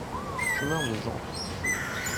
Chemin de Jeanton, Ségos